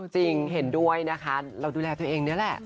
จริงเห็นด้วยนะคะเราดูแลตัวเองนี่แหละ